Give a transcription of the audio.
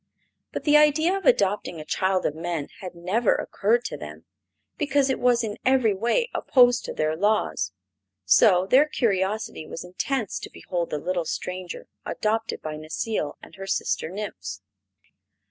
But the idea of adopting a child of men had never occurred to them because it was in every way opposed to their laws; so their curiosity was intense to behold the little stranger adopted by Necile and her sister nymphs.